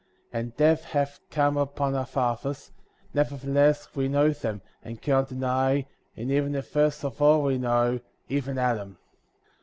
45. And death hath come upon our fathers ; never theless we know them, and cannot deny, and even the first of all we know, even Adam.